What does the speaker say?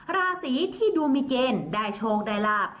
ราศีที่ดวงมีเกณฑ์ได้โชคได้ลาบ